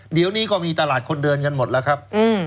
เดี๋ยวนี้ก็มีตลาดคนเดินกันหมดแล้วครับ